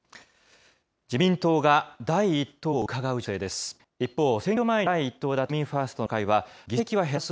自民党が第一党をうかがう情勢です。